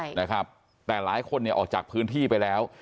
ใช่นะครับแต่หลายคนเนี่ยออกจากพื้นที่ไปแล้ว